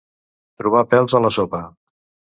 Trobar pèls a la sopa.